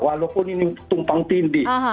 walaupun ini tumpang tinggi